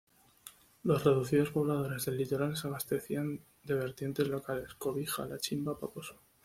Los reducidos pobladores del litoral se abastecían de vertientes locales: Cobija, La Chimba, Paposo.